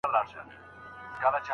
د دې ناوې په سلگو درپسې ژاړم